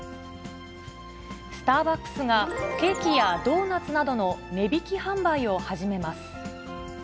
スターバックスがケーキやドーナツなどの値引き販売を始めます。